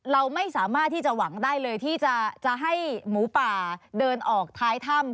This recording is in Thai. เราไม่สามารถที่จะหวังได้เลยที่จะให้หมูป่าเดินออกท้ายถ้ำ